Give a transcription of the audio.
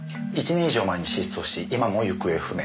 １年以上前に失踪し今も行方不明。